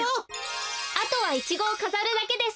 あとはイチゴをかざるだけです。